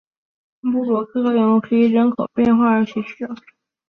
克吕斯旁沙提永人口变化图示